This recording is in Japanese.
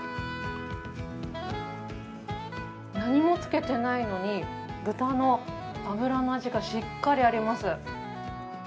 何もつけてないのに、豚の脂の味がしっかりあります。